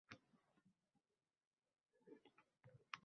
shaxsga doir ma’lumotlarga ishlov berishda qo‘llaniladigan usullar;